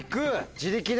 自力で。